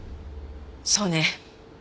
そうね。